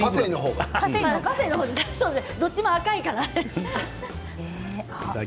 どっちも赤いから。